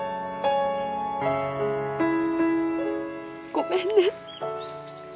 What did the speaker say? ごめんね。